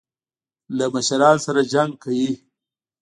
له مشرانو سره جنګ کوي.